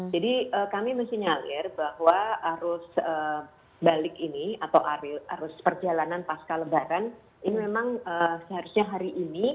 jadi kami menginyalir bahwa arus balik ini atau arus perjalanan pasca lebaran ini memang seharusnya hari ini